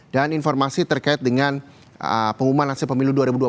dan informasi terkait dengan pengumuman hasil pemilu dua ribu dua puluh empat